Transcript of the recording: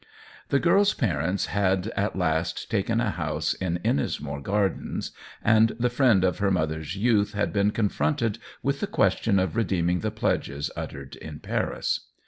The girPs parents had at last taken a house in Ennismore Gardens, and the friend of her mother's youth had been confronted with the question of redeeming the pledges uttered in Paris.